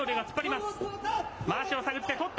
まわしを探って、取った。